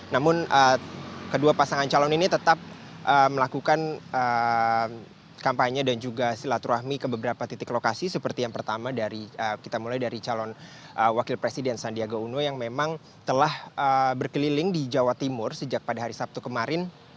namun kedua pasangan calon ini tetap melakukan kampanye dan juga silaturahmi ke beberapa titik lokasi seperti yang pertama dari kita mulai dari calon wakil presiden sandiaga uno yang memang telah berkeliling di jawa timur sejak pada hari sabtu kemarin